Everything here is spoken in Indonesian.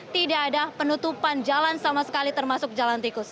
tidak ada penutupan jalan sama sekali termasuk jalan tikus